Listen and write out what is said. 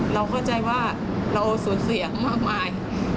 เราเข้าใจว่าเราสูญเสียมากมาย